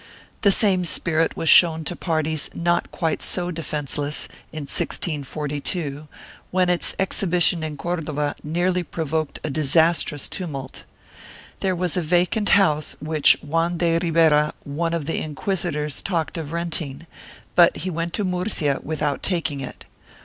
1 The same spirit was shown to parties not quite so defenceless in 1642, when its exhibition in Cordova nearly provoked a disas trous tumult. There was a vacant house which Juan de Ribera, one of the inquisitors, talked of renting, but he went to Murcia without taking it.